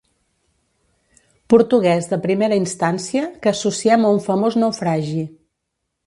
Portuguès de primera instància que associem a un famós naufragi.